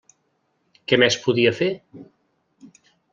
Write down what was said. Què més podia fer?